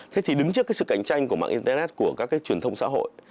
thế thì đứng trước sự cạnh tranh của mạng internet của các truyền thông xã hội